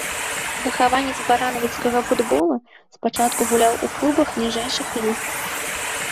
Выхаванец баранавіцкага футбола, спачатку гуляў у клубах ніжэйшых ліг.